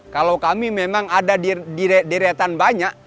kalau kami memang ada di deretan banyak